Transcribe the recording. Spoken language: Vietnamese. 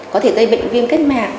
có thể gây bệnh viêm kết mạc